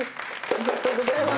ありがとうございます。